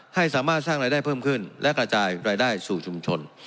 ให้สามารถสร้างรายได้เพิ่มขึ้นและกระจายรายได้สู่ชุมชน